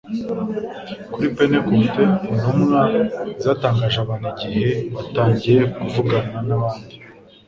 Kuri Pentekote Intumwa zatangaje abantu igihe "batangiye kuvugana nabandi